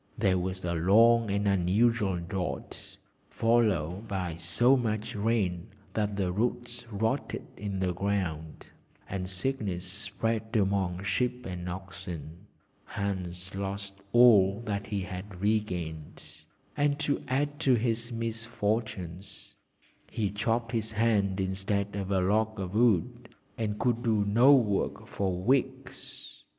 There was a long and unusual drought, followed by so much rain that the roots rotted in the ground, and sickness spread amongst sheep and oxen. Hans lost all that he had re gained, and to add to his misfortunes, he chopped his hand instead of a log of wood, and could do no work for weeks.